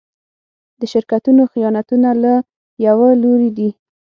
د شرکتونو خیانتونه له يوه لوري دي.